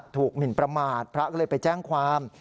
หมินประมาทพระก็เลยไปแจ้งความ